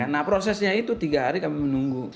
nah prosesnya itu tiga hari kami menunggu